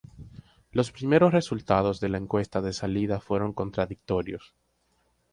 Los primeros resultados de la encuesta de salida fueron contradictorios.